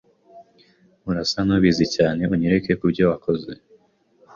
Urasa nkubizi cyane unyereke kubyo wakoze